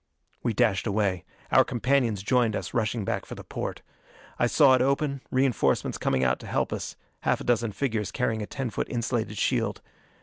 We dashed away. Our companions joined us, rushing back for the porte. I saw it open, reinforcements coming out to help us half a dozen figures carrying a ten foot insulated shield.